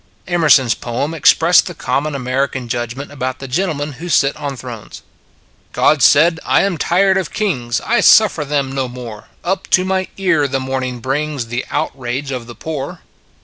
Emerson s poem expressed the common American judgment about the gentlemen who sit on thrones: God said " I am tired of Kings, I suffer them no more. Up to my ear the morning brings The outrage of the poor."